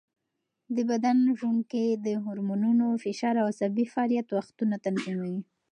د بدن ژوڼکې د هارمونونو، فشار او عصبي فعالیت وختونه تنظیموي.